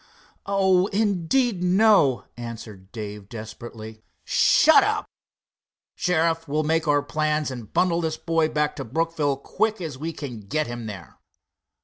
"Oh, indeed, no," answered Dave desperately. "Shut up. Sheriff, we'll make our plans, and bundle this boy back to Brookville quick as we can get him there."